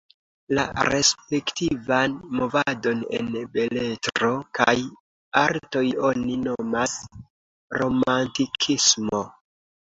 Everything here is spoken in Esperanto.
La respektivan movadon en beletro kaj artoj oni nomas romantikismo.